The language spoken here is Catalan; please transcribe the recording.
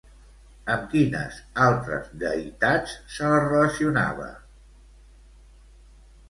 Amb quines altres deïtats se la relacionava?